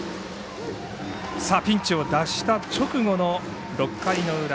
ピンチを脱した直後の６回の裏。